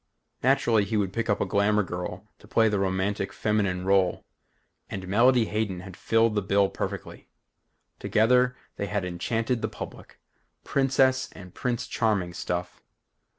Naturally he would pick a glamour girl to play the romantic feminine role and Melody Hayden had filled the bill perfectly. Together, they had enchanted the public. Princess and Prince Charming stuff.